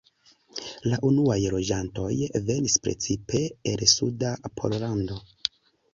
La unuaj loĝantoj venis precipe el suda Pollando.